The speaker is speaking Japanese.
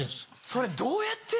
それどうやって？